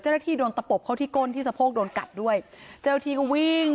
โดนตะปบเข้าที่ก้นที่สะโพกโดนกัดด้วยเจ้าหน้าที่ก็วิ่ง